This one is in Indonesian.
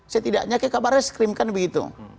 setidaknya ke kabarnya skrim kan begitu